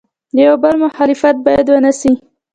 د یو بل مخالفت باید ونسي.